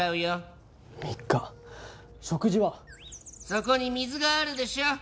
そこに水があるでしょ。